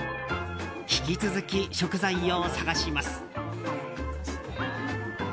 引き続き食材を探します。